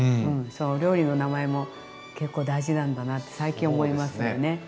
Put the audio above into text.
そう料理の名前も結構大事なんだなって最近思いますよね。